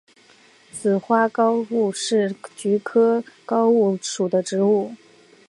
紫花橐吾是菊科橐吾属的植物。